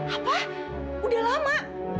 apa udah lama